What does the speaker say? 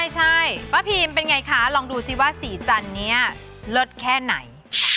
ใช่ป้าพิมเป็นไงคะลองดูซิว่าสีจันนี้เลิศแค่ไหน